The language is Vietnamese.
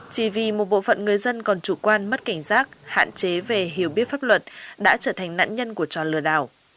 chỉ vì một bộ phận người dân còn chủ quan mất cảnh giác hạn chế về hiểu biết pháp luật đã trở thành nạn nhân của trò lừa đảo